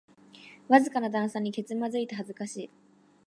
わずかな段差にけつまずいて恥ずかしい